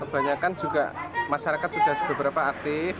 kebanyakan juga masyarakat sudah beberapa aktif